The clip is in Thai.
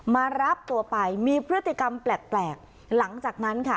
มารับตัวไปมีพฤติกรรมแปลกหลังจากนั้นค่ะ